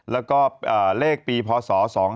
แล้วก็เลขปีพศ๒๕๖